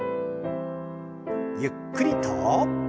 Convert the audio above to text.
ゆっくりと。